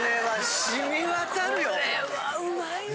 これはうまいわ。